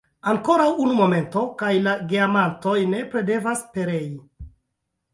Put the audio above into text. Ankoraŭ unu momento, kaj la geamantoj nepre devas perei!